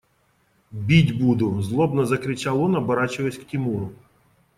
– Бить буду! – злобно закричал он, оборачиваясь к Тимуру.